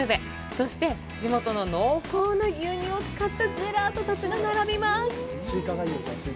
そして地元の濃厚な牛乳を使ったジェラートたちが並びます